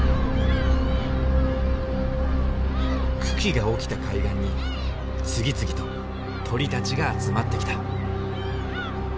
群来が起きた海岸に次々と鳥たちが集まってきた。